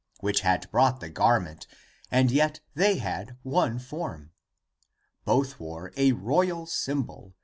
Which had brought the garment, And yet they had one form : Both wore a royal symbol.